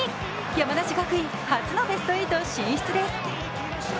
山梨学院、初のベスト８進出です。